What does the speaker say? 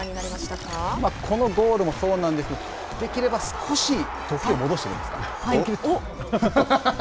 このゴールもそうなんですができれば少し時を戻してもいいですか。